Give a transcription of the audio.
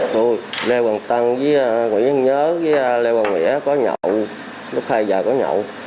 tôi lê hoàng tân với nguyễn văn nhớ với lê hoàng nghĩa có nhậu lúc thay giờ có nhậu